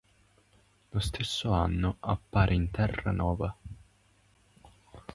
Lo stesso anno appare in "Terra Nova".